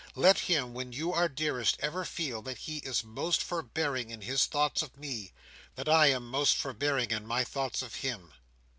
Let him, when you are dearest, ever feel that he is most forbearing in his thoughts of me—that I am most forbearing in my thoughts of him!